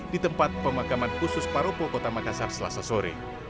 di tempat pemakaman khusus paropo kota makassar selasa sore